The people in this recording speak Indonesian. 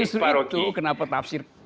justru itu kenapa tafsir